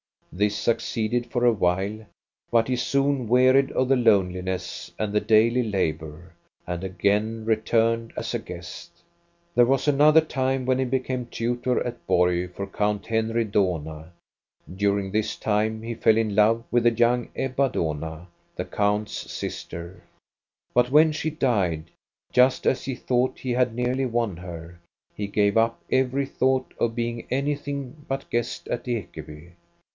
This succeeded for a while, but he soon wearied of the loneliness and the daily labor, and again returned as a guest. There was another time, when he became INTRODUCTION 27 tutor at Borg for Count Henry Dohna. During this time he fell in love with the young Ebba Dohna, the count's sister ; but when she died, just as he thought he had nearly won her, he gave up every thought of being anything but guest at Ekeby.